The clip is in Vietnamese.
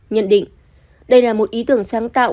nhận định đây là một ý tưởng sáng tạo